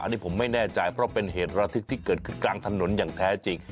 อันนี้ผมไม่แน่ใจเพราะเป็นเหตุระทึกที่เกิดขึ้นกลางถนนอย่างแท้จริง